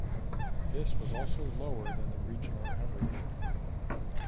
This was also lower than the regional average.